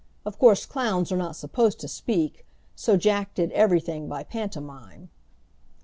Of course clowns are not supposed to speak, so Jack did everything by pantomime.